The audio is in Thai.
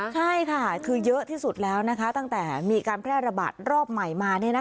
ใช่ค่ะคือเยอะที่สุดแล้วตั้งแต่มีการแพร่ระบาดรอบใหม่มา